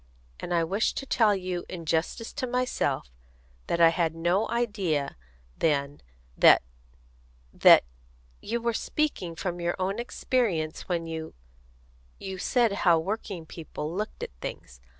And I wish to tell you, in justice to myself, that I had no idea then that that you were speaking from your own experience when you you said how working people looked at things.